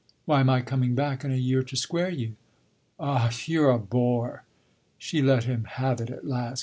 "Why my coming back in a year to square you." "Ah you're a bore!" she let him have it at last.